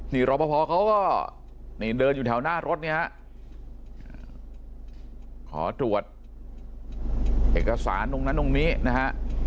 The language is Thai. นี่รอปภเขาก็นี่เดินอยู่แถวหน้ารถเนี่ยฮะขอตรวจเอกสารตรงนั้นตรงนี้นะฮะ